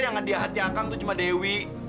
yang hadiah hati akang tuh cuma dewi